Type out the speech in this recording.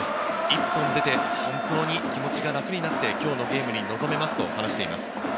１本出て、本当に気持ちが楽になって今日のゲームに臨めますと話しています。